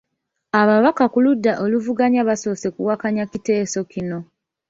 Ababaka ku ludda oluvuga basoose kuwakanya kiteeso kino.